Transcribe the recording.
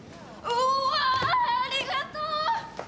うわありがとう！